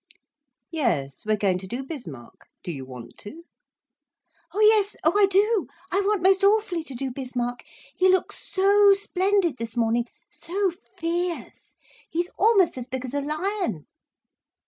"Yes, we're going to do Bismarck. Do you want to?" "Oh yes oh I do! I want most awfully to do Bismarck. He looks so splendid this morning, so fierce. He's almost as big as a lion."